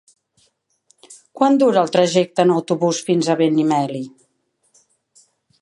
Quant dura el trajecte en autobús fins a Benimeli?